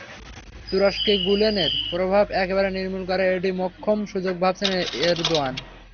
তুরস্কে গুলেনের প্রভাব একেবারে নির্মূল করার এটিই মোক্ষম সুযোগ বলে ভাবছেন এরদোয়ান।